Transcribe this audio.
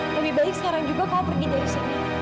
lebih baik sekarang juga kau pergi dari sini